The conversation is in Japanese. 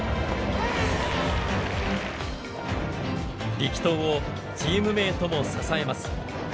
力投をチームメートも支えます。